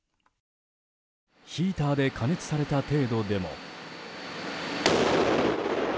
ヒーターで加熱された程度でも。